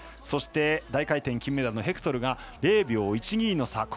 そして、大回転金メダルのヘクトルが０秒１２の差。